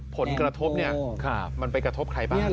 ผลกระทบมันไปกระทบใครบ้าง